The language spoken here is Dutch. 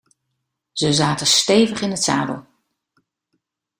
Ze zaten stevig in het zadel.